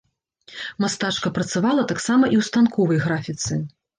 Мастачка працавала таксама і ў станковай графіцы.